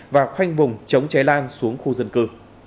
và khoanh vùng chống cháy lan xuống khu dân cư